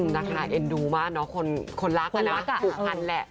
นักนายเอ็นดูมากเนอะคนรักนะผู้พันธุ์แหละ